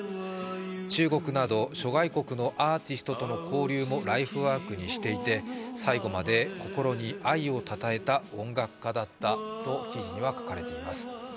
中国など諸外国のアーティストとの交流もライフワークにしていて、最後まで心に愛をたたえた音楽家だったと記事には書かれています。